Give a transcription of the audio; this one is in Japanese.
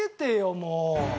もう。